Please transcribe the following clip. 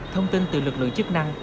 thông tin từ lực lượng chức năng